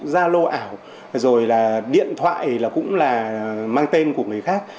gia lô ảo rồi là điện thoại là cũng là mang tên của người khác